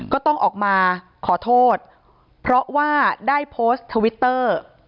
ก็ต้องออกมาขอโทษเพราะว่าได้โพสต์ทวิตเตอร์